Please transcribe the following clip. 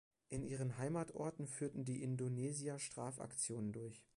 In ihren Heimatorten führten die Indonesier Strafaktionen durch.